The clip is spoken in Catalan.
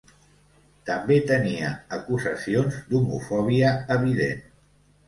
També tenia acusacions d'homofòbia evident.